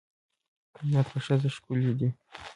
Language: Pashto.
کائنات په ښځه ښکلي دي